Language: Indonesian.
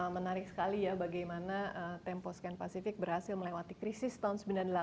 menarik sekali ya bagaimana temposcan pacific berhasil melewati krisis tahun sembilan puluh delapan